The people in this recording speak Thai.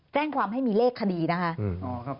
แจ้งความให้มีเลขคดีนะคะ